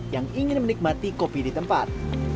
yang ingin menikmati kopi di tempat